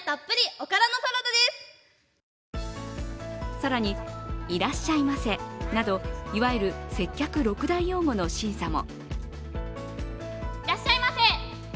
更に「いらっしゃいませ」などいわゆる接客６大用語の審査も。